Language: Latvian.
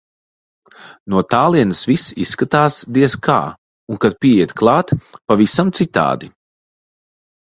No tālienes viss izskatās, diez kā, un kad pieiet klāt - pavisam citādi.